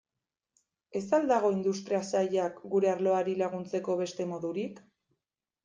Ez al dago Industria Sailak gure arloari laguntzeko beste modurik?